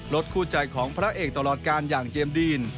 คู่ใจของพระเอกตลอดการอย่างเจมส์ดีน